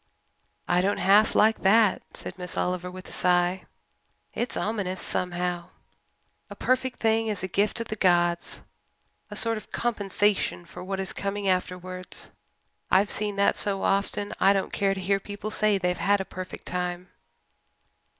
"I don't half like that," said Miss Oliver, with a sigh. "It's ominous somehow. A perfect thing is a gift of the gods a sort of compensation for what is coming afterwards. I've seen that so often that I don't care to hear people say they've had a perfect time.